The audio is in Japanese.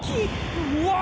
うわ！